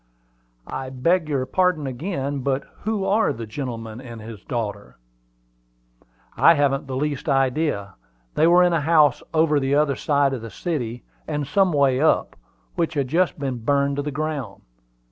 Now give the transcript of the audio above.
"I beg your pardon again; but who are the gentleman and his daughter?" "I haven't the least idea. They were in a house over the other side of the city, and some way up, which has just been burned to the ground.